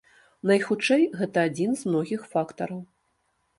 Найхутчэй, гэта адзін з многіх фактараў.